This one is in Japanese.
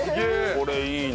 これいいね。